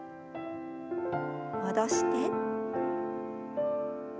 戻して。